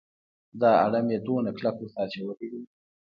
دا اړم یې دومره کلک ورته اچولی دی.